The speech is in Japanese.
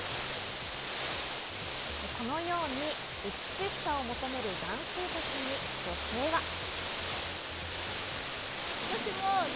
このように、美しさを求める男性たちに女性は。